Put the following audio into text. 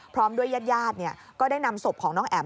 พร้อมด้วยญาติก็ได้นำศพของน้องแอ๋ม